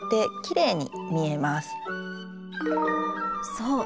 そう。